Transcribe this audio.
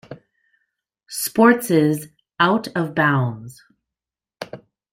Sports' "Out of Bounds".